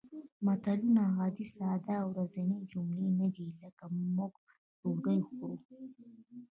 متلونه عادي ساده او ورځنۍ جملې نه دي لکه موږ ډوډۍ خورو